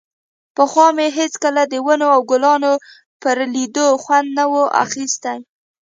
پخوا مې هېڅکله د ونو او ګلانو پر ليدو خوند نه و اخيستى.